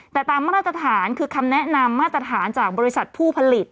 แต่ตามมาตรฐานคือคำแนะนำมาตรฐานจากบริษัทผู้ผลิต